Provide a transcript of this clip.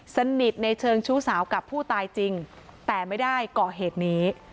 สนิทในเชิงชู้สาวกับผู้ตายจริงแต่ไม่ได้ก่อเหตุนี้